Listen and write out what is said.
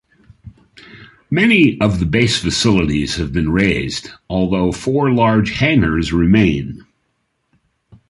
Many of the base facilities have been razed, although four large hangars remain.